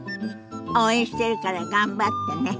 応援してるから頑張ってね。